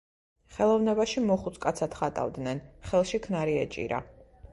ხელოვნებაში მოხუც კაცად ხატავდნენ, ხელში ქნარი ეჭირა.